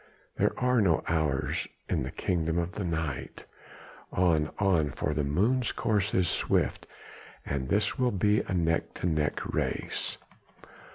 There are no hours in the kingdom of the night! On, on, for the moon's course is swift and this will be a neck to neck race.